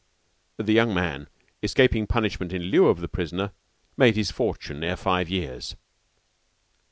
The young man, escaping punishment in lieu of the prisoner, made his fortune ere five years.